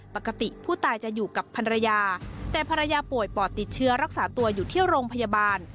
ปกติผู้ตายจะอยู่กับภรรยาแต่ภรรยาป่วยปอดติดเชื้อรักษาตัวอยู่ที่โรงพยาบาล